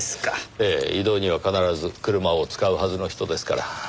ええ移動には必ず車を使うはずの人ですから。